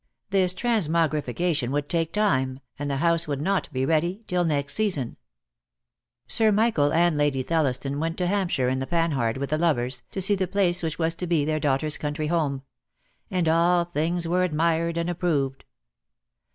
This transmogrification would take time, and the house would not be ready till next season. Sir Michael and Lady Thelliston went to Hampshire in the Panhard with the lovers, to see the place which was to be their daughter's country home; and all things were admired and approved.